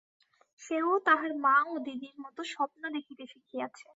সে-ও তাহার মা ও দিদির মতো স্বপ্ন দেখিতে শিখিয়াছে।